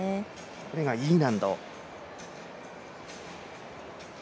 これがＥ難度。